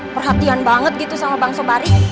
perhatian banget gitu sama bang sobaring